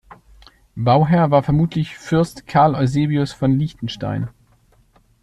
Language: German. Bauherr war vermutlich Fürst Karl Eusebius von Liechtenstein.